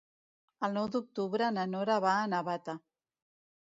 El nou d'octubre na Nora va a Navata.